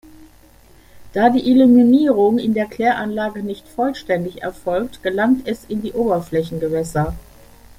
Da die Eliminierung in der Kläranlage nicht vollständig erfolgt, gelangt es in die Oberflächengewässer.